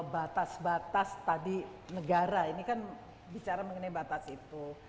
batas batas tadi negara ini kan bicara mengenai batas itu